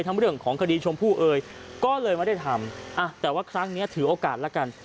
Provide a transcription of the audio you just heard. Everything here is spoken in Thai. เรื่องของคดีชมพู่เอ่ยก็เลยไม่ได้ทำแต่ว่าครั้งนี้ถือโอกาสแล้วกัน